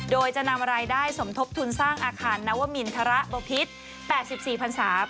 โดยจะนำรายได้สมทบทุนสร้างอาคารนวมินทรบพิษ๘๔พันศา